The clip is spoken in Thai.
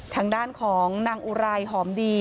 ทางด้านของนางอุไรหอมดี